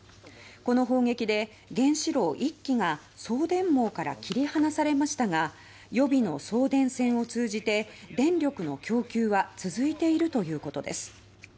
この砲撃で原子炉１基が送電網から切り離されましたが予備の送電線を通じて電力の供給は続いているということです。